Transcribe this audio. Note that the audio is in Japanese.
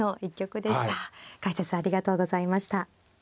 解説ありがとうございました。